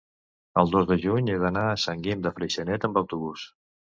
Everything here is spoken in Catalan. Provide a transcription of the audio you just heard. el dos de juny he d'anar a Sant Guim de Freixenet amb autobús.